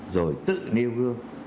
rồi tự nêu gương